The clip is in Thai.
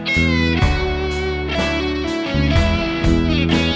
เจ้าสักทีเพียง